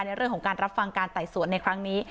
ในเรื่องของการรับฟังการไต่สวนในครั้งนี้